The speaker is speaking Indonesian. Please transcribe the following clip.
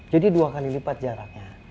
jadi dua kali lipat jaraknya